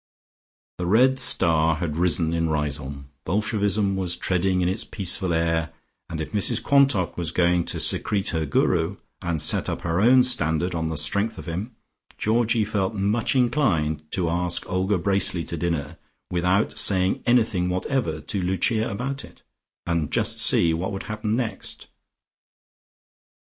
The red star had risen in Riseholme: Bolshevism was treading in its peaceful air, and if Mrs Quantock was going to secrete her Guru, and set up her own standard on the strength of him, Georgie felt much inclined to ask Olga Bracely to dinner, without saying anything whatever to Lucia about it, and just see what would happen next.